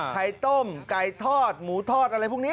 ไข่ต้มไก่ทอดหมูทอดอะไรพวกนี้